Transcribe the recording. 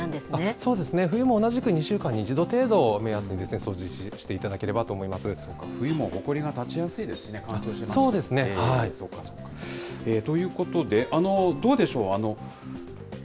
そうですね、冬も同じく２週間に１度程度、目安に掃除していそうか、冬もほこりが立ちやそうですね。ということで、どうでしょう？